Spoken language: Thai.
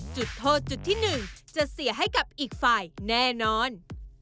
จุดโทษจุดที่๑จะเสียให้กับอีกฝ่ายแน่นอน